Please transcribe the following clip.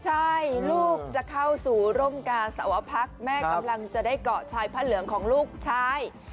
ใช่ลูกจะเข้าสู่ร่มกาสวพักแม่กำลังจะได้เกาะชายผ้าเหลืองของลูกชาย